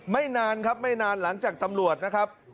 ไม่นานครับไม่นานหลังจากตำรวจนะครับ